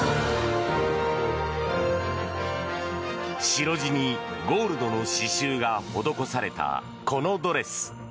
白地にゴールドの刺しゅうが施されたこのドレス。